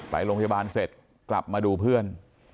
ไปโรงพยาบาลเสร็จกลับมาดูเพื่อน